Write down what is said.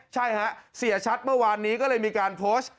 ใช่ฮะเสียชัดเมื่อวานนี้ก็เลยมีการโพสต์